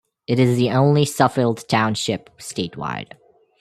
It is the only Suffield Township statewide.